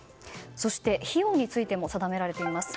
そして、費用についても定められています。